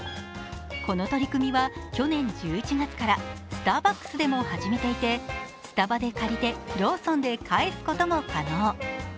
この取り組みは去年１１月からスターバックスでも始めていて、スタバで借りてローソンで返すことも可能。